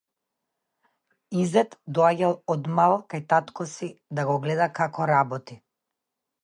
Изет доаѓал од мал кај татко си, да го гледа како работи.